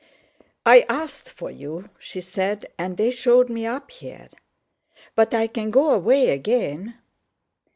"I asked for you," she said, "and they showed me up here. But I can go away again."